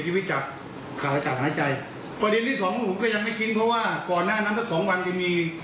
นางดวงจันทวีพันธ์อายุ๓๓ปี